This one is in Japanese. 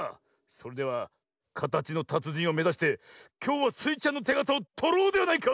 それではかたちのたつじんをめざしてきょうはスイちゃんのてがたをとろうではないか！